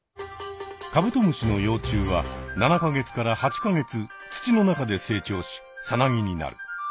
カブトムシの幼虫は７か月から８か月土の中で成長しさなぎになる。